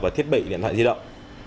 và thiết bị điện thoại di động